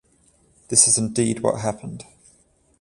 This is indeed what happened.